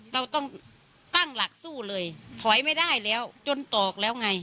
เราต้องตั้งหลักสู้เลยถอยไม่ได้แล้วจนตอกแล้วไง